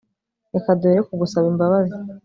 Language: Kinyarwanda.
reka duhere ku gusaba imbabazi